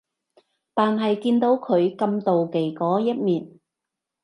但係見到佢咁妒忌嗰一面